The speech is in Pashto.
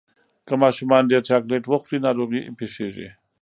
که ماشومان ډیر چاکلېټ وخوري، ناروغي پېښېږي.